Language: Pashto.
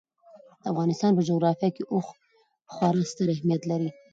د افغانستان په جغرافیه کې اوښ خورا ستر اهمیت لري.